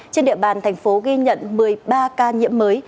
trên địa bàn thành phố ghi nhận một mươi ba ca nhiễm mới